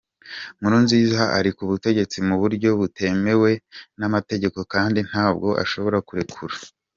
Nkurunziza ari ku butegetsi mu buryo butemewe n’amategeko kandi ntabwo ashobora kurekura.